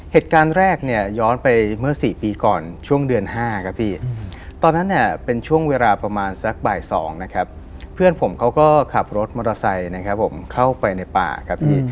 เหตุการณ์แรกเนี่ยย้อนไปเมื่อ๔ปีก่อนช่วงเดือน๕ครับพี่ตอนนั้นเนี่ยเป็นช่วงเวลาประมาณสักบ่าย๒นะครับเพื่อนผมเขาก็ขับรถมอเตอร์ไซค์นะครับผมเข้าไปในป่าครับพี่